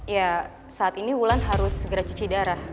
ya saat ini wulan harus segera cuci darah